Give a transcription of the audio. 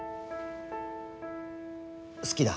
好きだ。